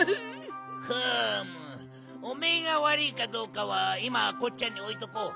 ふむおめえがわるいかどうかはいまはこっちゃにおいとこう。